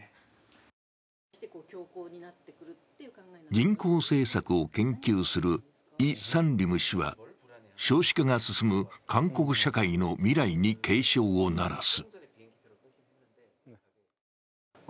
人口政策を研究するイ・サンリム氏は少子化が進む韓国社会の未来に警鐘を鳴らす。